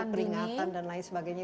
peringatan dan lain sebagainya